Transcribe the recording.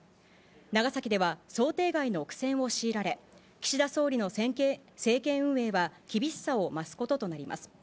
長崎では、想定外の苦戦を強いられ、岸田総理の政権運営は厳しさを増すこととなります。